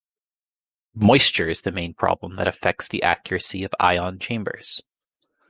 Moisture is the main problem that affects the accuracy of ion chambers.